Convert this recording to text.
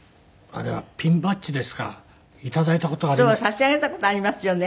差し上げた事ありますよね。